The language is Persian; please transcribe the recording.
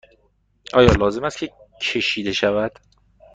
آیا لازم است که کشیده شود؟